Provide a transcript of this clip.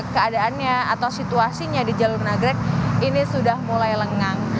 keadaannya atau situasinya di jalur nagrek ini sudah mulai lengang